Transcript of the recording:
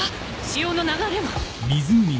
潮の流れが。